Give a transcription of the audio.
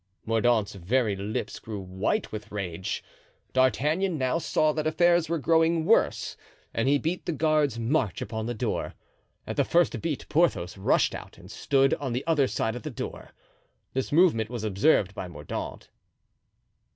Mordaunt's very lips grew white with rage. D'Artagnan now saw that affairs were growing worse and he beat the guard's march upon the door. At the first beat Porthos rushed out and stood on the other side of the door. This movement was observed by Mordaunt.